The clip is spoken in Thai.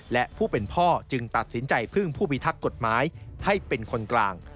และผู้เป็นพ่อจึงตัดสินใจพึ่งผู้พิทักษ์กฎหมายให้เป็นคนกลาง